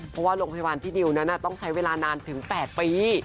เพราะว่าโรงพยาบาลที่ดิวนั้นต้องใช้เวลานานถึง๘ปี